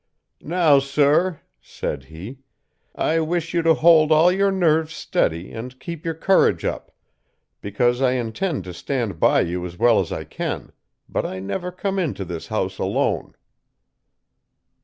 "'Now Sir,' said he, 'I wish you to hold all your nerves steady and keep your courage up, because I intend to stand by you as well as I can, but I never come into this house alone.'